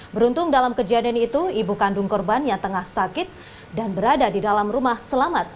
beruntung dalam kejadian itu ibu kandung korban yang tengah sakit dan berada di dalam rumah selamat